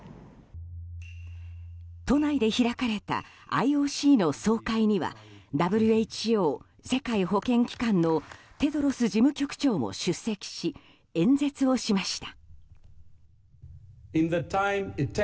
都内で開かれたＩＯＣの総会にはＷＨＯ・世界保健機関のテドロス事務局長も出席し演説をしました。